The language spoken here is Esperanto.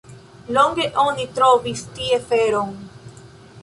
Longe oni trovis tie feron.